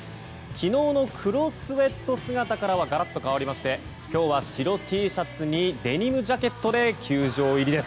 昨日の黒スウェット姿からはがらっと変わりまして今日は白Ｔシャツにデニムジャケットで球場入りです。